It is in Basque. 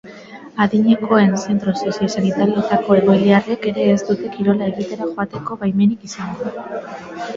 Adinekoen zentro sozio-sanitarioetako egoiliarrek ere ez dute kirola egitera joateko baimenik izango.